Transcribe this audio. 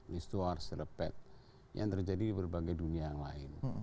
lestuar serpet yang terjadi di berbagai dunia yang lain